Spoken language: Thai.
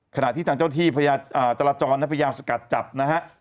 ขณะที่ทางเจ้าที่จราจรพยายามสกัดจับนะฮะ